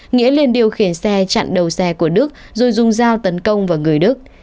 nghĩa lên điều khiển xe chặn đầu xe của đức rồi dùng dao tấn công vào người đức